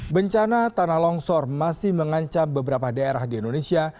bencana tanah longsor masih mengancam beberapa daerah di indonesia